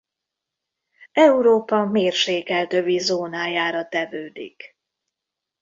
Európa mérsékelt övi zónájára tevődik.